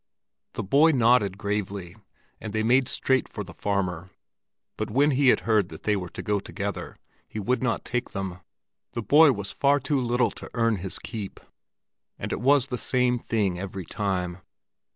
The boy nodded gravely, and they made straight for the farmer. But when he had heard that they were to go together, he would not take them; the boy was far too little to earn his keep. And it was the same thing every time.